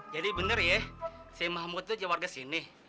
jadi bener ya si mahmud tuh jawab ke sini